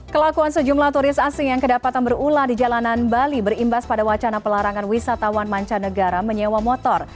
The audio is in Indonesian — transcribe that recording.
kelakuan sejumlah turis asing yang kedapatan berulang di jalanan bali berimbas pada wacana pelarangan wisatawan mancanegara menyewa motor